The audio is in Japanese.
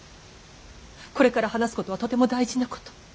これから話すことはとても大事なこと。